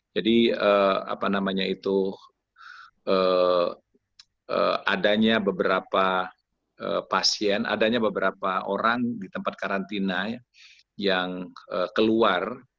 jadi apa namanya itu adanya beberapa pasien adanya beberapa orang di tempat karantina yang keluar